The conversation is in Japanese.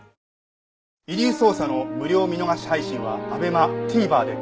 『遺留捜査』の無料見逃し配信はＡＢＥＭＡＴＶｅｒで。